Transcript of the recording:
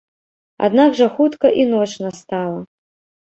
Аднак жа хутка і ноч настала.